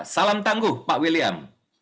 salam tangguh pak william